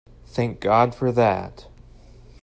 Thank God for that!